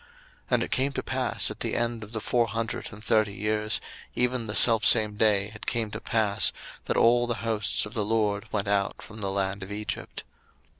02:012:041 And it came to pass at the end of the four hundred and thirty years, even the selfsame day it came to pass, that all the hosts of the LORD went out from the land of Egypt.